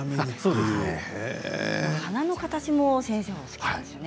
花の形先生、お好きなんですよね。